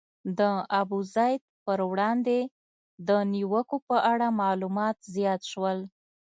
د ابوزید پر وړاندې د نیوکو په اړه معلومات زیات شول.